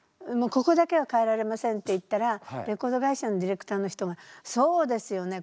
ここだけは変えられませんって言ったらレコード会社のディレクターの人がそうですよね。